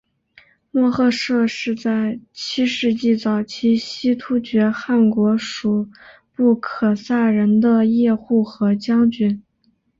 莫贺设是在七世纪早期西突厥汗国属部可萨人的叶护和将军。